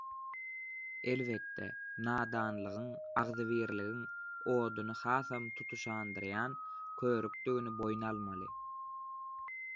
Elbetde, nadanlygyň agzybirligiň oduny hasam tutuşadyrýan körükdigini boýun almaly